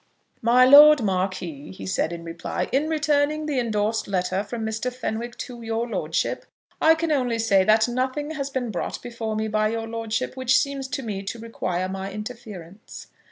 "My Lord Marquis," he said, in reply, "in returning the endorsed letter from Mr. Fenwick to your lordship, I can only say that nothing has been brought before me by your lordship which seems to me to require my interference.